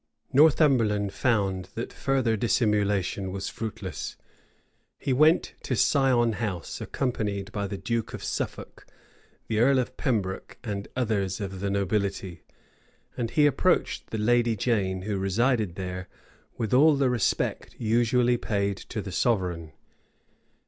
Northumberland found that further dissimulation was fruitless: he went to Sion House,[*] accompanied by the duke of Suffolk, the earl of Pembroke, and others of the nobility; and he approached the lady Jane, who resided there, with all the respect usually paid to the sovereign.